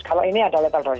kalau ini ada lettle dosis